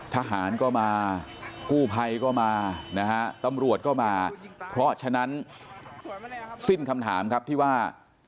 ทหารก็มากู้ภัยก็มานะฮะตำรวจก็มาเพราะฉะนั้นสิ้นคำถามครับที่ว่า